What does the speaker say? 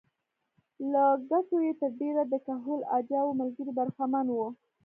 له ګټو یې تر ډېره د کهول اجاو ملګري برخمن وو.